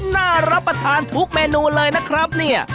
น่ารับประทานทุกเมนูเลยนะครับเนี่ย